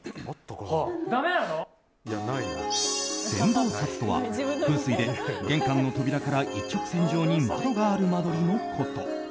穿堂さつとは風水で玄関の扉から一直線上に窓がある間取りのこと。